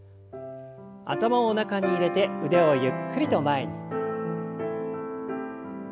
頭を中に入れて腕をゆっくりと前に。